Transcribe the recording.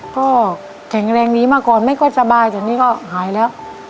ก็แข็งแรงนี้มาก่อนไม่ก็สบายแต่นี่ก็หายแล้ว